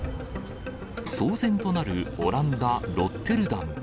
騒然となる、オランダ・ロッテルダム。